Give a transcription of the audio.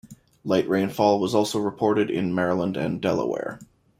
Light rainfall was also reported in Maryland and Delaware.